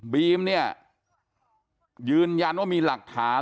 บีมเนี่ยยืนยันว่ามีหลักฐาน